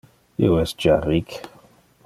Io es ja ric.